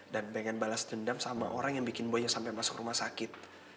dan pengen bales dendam sama orang yang bikin boynya sampai masuk rumah sakit